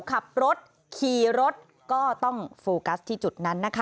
ขับรถขี่รถก็ต้องโฟกัสที่จุดนั้นนะคะ